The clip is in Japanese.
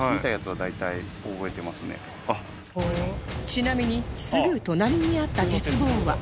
ちなみにすぐ隣にあった鉄棒は